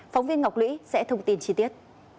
phóng viên ngọc lũy sẽ thông tin chi tiết